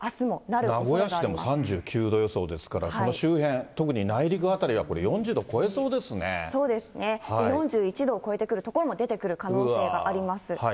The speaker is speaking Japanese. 名古屋市でも３９度予想ですから、その周辺、特に内陸辺りはそうですね、４１度超えてくる所も出てくる可能性があります。